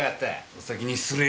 お先に失礼！